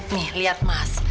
nih liat mas